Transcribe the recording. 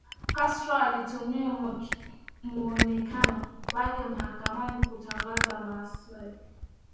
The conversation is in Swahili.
Castro alitumia muonekano wake mahakamani kutangaza maasi